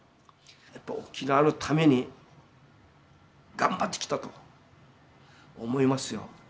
やっぱ沖縄のために頑張ってきたと思いますよ。